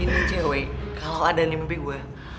ini cewek kalo ada di mimpi gue